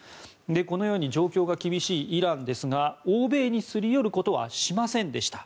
このように状況が厳しいイランですが欧米にすり寄ることはしませんでした。